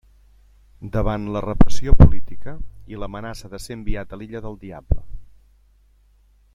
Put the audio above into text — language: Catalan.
Davant la repressió política, i l'amenaça de ser enviat a l'illa del Diable.